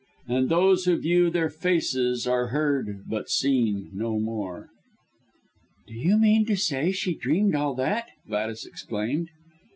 And those who view their faces, Are heard but seen no more." "Do you mean to say she dreamed all that?" Gladys exclaimed.